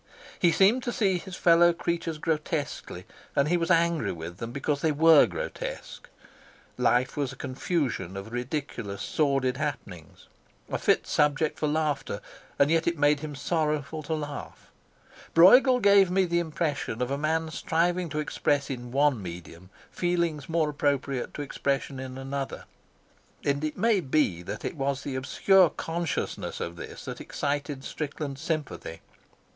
He seemed to see his fellow creatures grotesquely, and he was angry with them because they were grotesque; life was a confusion of ridiculous, sordid happenings, a fit subject for laughter, and yet it made him sorrowful to laugh. Brueghel gave me the impression of a man striving to express in one medium feelings more appropriate to expression in another, and it may be that it was the obscure consciousness of this that excited Strickland's sympathy.